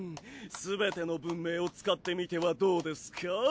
すべての文明を使ってみてはどうですか？